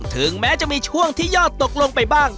ถึงแม้จะมีช่วงที่ยอดตกลงไปบ้าง